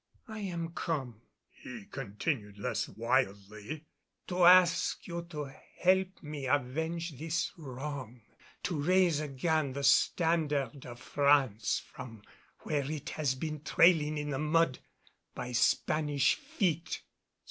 "I am come," he continued less wildly, "to ask you to help me avenge this wrong to raise again the Standard of France from where it has been trailing in the mud by Spanish feet."